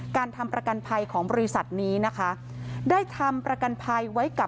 การทำประกันภัยของบริษัทนี้นะคะ